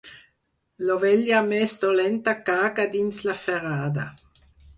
L'ovella més dolenta caga dins la ferrada.